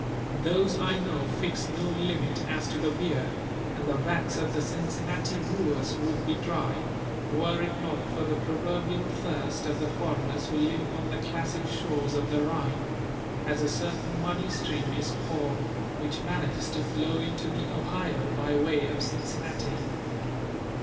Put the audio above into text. Those I know fix no limit as to the beer; and the vats of the Cincinnati brewers would be dry, were it not for the proverbial thirst of the foreigners who live on the classic shores of the "Rhine," as a certain muddy stream is called which manages to flow into the Ohio by way of Cincinnati.